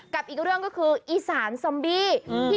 กับอีกเรื่องก็คืออีสานซอมบี้